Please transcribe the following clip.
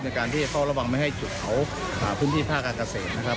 ในการที่จะเฝ้าระวังไม่ให้จุดเผาพื้นที่ภาคการเกษตรนะครับ